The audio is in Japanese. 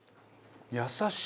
優しい。